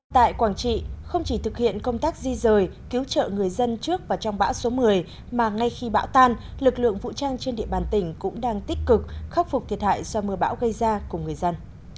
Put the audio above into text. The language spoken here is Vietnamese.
tại quảng trị không chỉ thực hiện công tác di rời cứu trợ người dân trước và trong bão số một mươi mà ngay khi bão tan lực lượng vũ trang trên địa bàn tỉnh cũng đang tích cực khắc phục thiệt hại do mưa bão gây ra cùng người dân